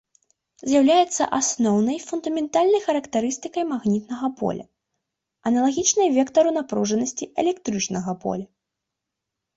З'яўляецца асноўнай фундаментальнай характарыстыкай магнітнага поля, аналагічнай вектару напружанасці электрычнага поля.